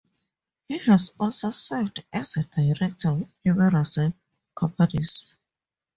He has also served as a director with numerous companies.